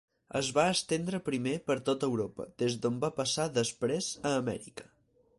Es va estendre primer per tot Europa, des d'on va passar després a Amèrica.